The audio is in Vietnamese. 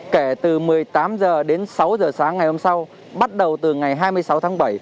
kể từ một mươi tám h đến sáu h sáng ngày hôm sau bắt đầu từ ngày hai mươi sáu tháng bảy